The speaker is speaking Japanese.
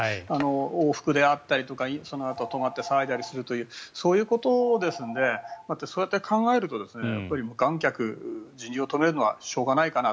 往復であったりとか泊まって騒いだりすることですのでそうやって考えると無観客人流を止めるのはしょうがないかな。